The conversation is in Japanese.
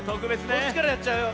こっちからやっちゃうよ。